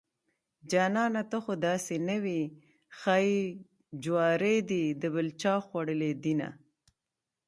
جانانه ته خوداسې نه وې ښايي جواري دې دبل چاخوړلي دينه